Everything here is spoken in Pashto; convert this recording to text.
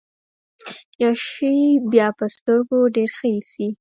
يو شی بيا په سترګو ډېر ښه اېسي.